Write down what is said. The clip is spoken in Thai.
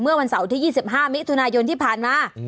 เมื่อวันเสาร์ที่๒๕มิถุนายนที่ผ่านมา